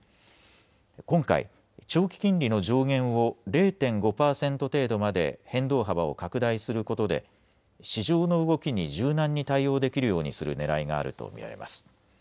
今回、長期金利の上限を０．５％程度まで変動幅を拡大することで市場の動きに柔軟に対応できるようにするねらいがあると見られます。